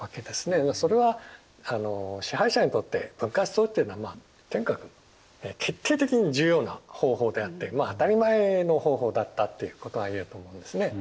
それは支配者にとって分割統治というのはとにかく決定的に重要な方法であってまあ当たり前の方法だったということは言えると思いますね。